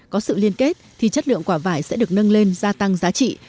có sự liên kết thì chất lượng quả vải sẽ được nâng lên gia tăng giá trị